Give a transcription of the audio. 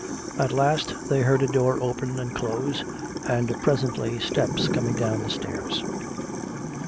At last they heard a door open and close, and presently steps coming down the stairs.